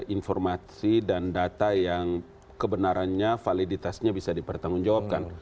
informasi dan data yang kebenarannya validitasnya bisa dipertanggungjawabkan